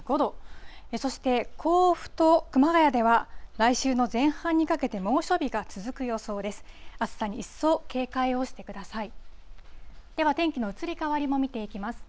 そして、甲府と熊谷では、来週の前半にかけて、猛暑日が続く予想です。